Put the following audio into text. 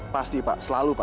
pasti pak selalu pak